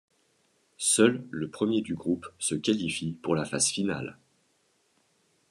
Seuls le premier du groupe se qualifie pour la phase finale.